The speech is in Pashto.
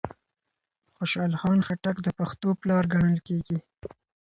خوشحال خان خټک د پښتو پلار ګڼل کېږي